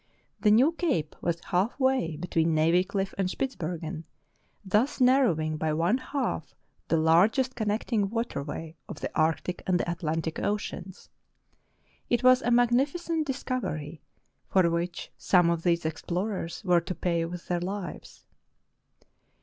The new cape was half way between Navy Cliff and Spitzbergen, thus nar rowing by one half the largest connecting waterway of the Arctic and the Atlantic Oceans. It was a mag nificent discovery, for which some of these explorers were to pay with their lives.